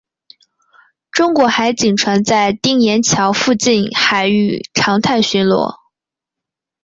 中国海警船在丁岩礁附近海域常态巡逻。